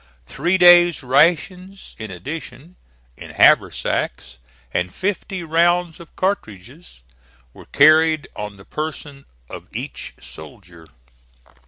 Three days rations in addition, in haversacks, and fifty rounds of cartridges, were carried on the person of each soldier.